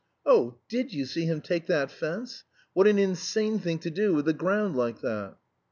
Oh, did you see him take that fence? What an insane thing to do with the ground like that."